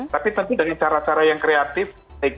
tapi tentu dengan cara cara yang kreatif